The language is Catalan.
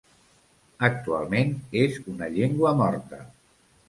Actualment és una llengua morta.